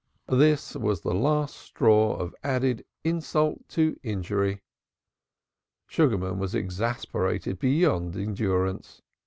This was the last straw of insult added to injury. Sugarman was exasperated beyond endurance.